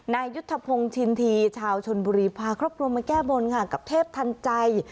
นายยุทธพงศ์ชินทีชาวชนบุรีพาครอบครัวมาแก้บนค่ะกับเทพทันใจ